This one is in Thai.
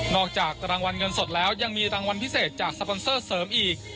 จากรางวัลเงินสดแล้วยังมีรางวัลพิเศษจากสปอนเซอร์เสริมอีก